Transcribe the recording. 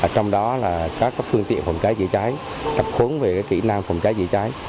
trong đó là các phương tiện phòng cháy chảy cháy tập huấn về kỹ năng phòng cháy chảy cháy